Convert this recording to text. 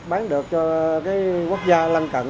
bán được cho cái quốc gia lăn cận